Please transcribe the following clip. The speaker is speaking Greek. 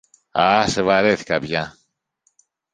Α, σε βαρέθηκα πια!